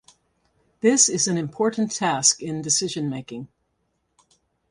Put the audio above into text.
This is an important task in decision making.